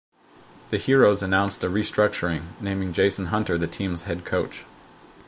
The Heroes announced a restructuring, naming Jason Hunter the team's head coach.